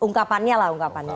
ungkapannya lah ungkapannya